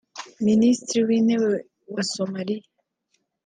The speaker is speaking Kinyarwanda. Minisitiri w’Intebe wa Somalia